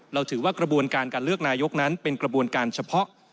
เราถือว่ากระบวนการการเลือกนายกนั้นเป็นกระบวนการเฉพาะ